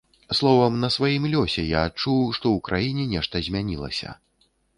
Словам, на сваім лёсе я адчуў, што ў краіне нешта змянілася.